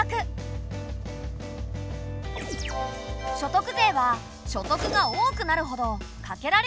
所得税は所得が多くなるほどかけられる税率が高くなる。